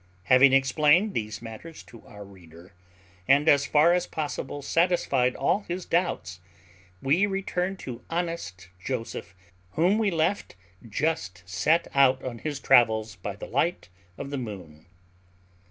Having explained these matters to our reader, and, as far as possible, satisfied all his doubts, we return to honest Joseph, whom we left just set out on his travels by the light of the moon.